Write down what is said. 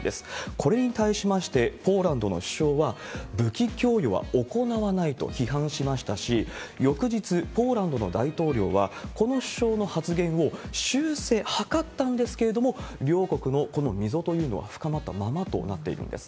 これに対しまして、ポーランドの首相は、武器供与は行わないと批判しましたし、翌日、ポーランドの大統領は、この首相の発言を修正図ったんですけれども、両国のこの溝というのは深まったままとなっているんです。